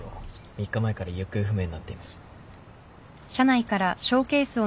３日前から行方不明になっています。